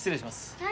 はい。